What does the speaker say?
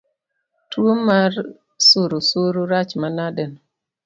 Tuo mar surusuru rach manadeno